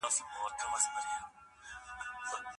د پدیدو تکویني سیر ته پام وکړئ.